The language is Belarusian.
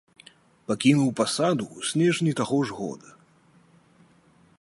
Пакінуў пасаду ў снежні таго ж года.